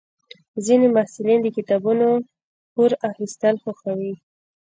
ځینې محصلین د کتابونو پور اخیستل خوښوي.